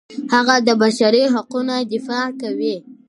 هغه د بشري حقونو دفاع کوي.